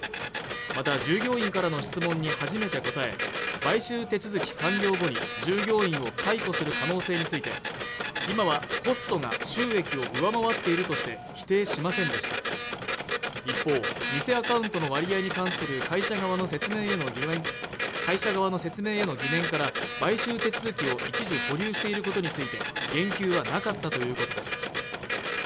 また従業員からの質問に初めて答え買収手続き完了後に従業員を解雇する可能性について今はコストが収益を上回っているとして否定しませんでした一方偽アカウントの割合に関する会社側の説明での疑念から買収手続きを一時保留していることについて言及はなかったということです